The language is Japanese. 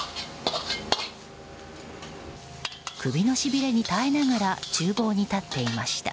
首のしびれに耐えながら厨房に立っていました。